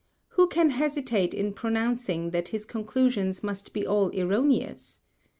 Who can hesitate in pronouncing that his Conclusions must be all erroneous?